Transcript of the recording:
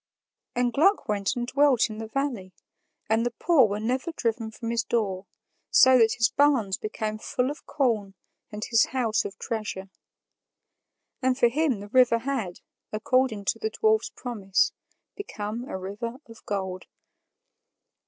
And Gluck went and dwelt in the valley, and the poor were never driven from his door, so that his barns became full of corn and his house of treasure. And for him the river had, according to the dwarf's promise, become a river of gold.